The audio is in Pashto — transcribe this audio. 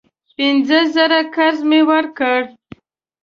پینځه زره قرض مې ورکړ.